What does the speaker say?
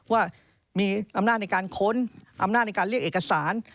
ว่ามีอำนาจในการค้นอำนาจในการเรียกเอกสาร